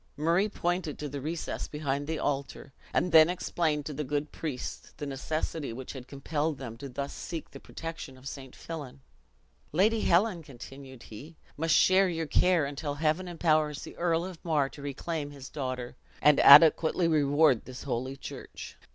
Murray pointed to the recess behind the altar; and then explained to the good priest the necessity which had compelled them to thus seek the protection of St. Fillan. "Lady Helen," continued he, "must share your care until Heaven empowers the Earl of Mar to reclaim his daughter, and adequately reward this holy church."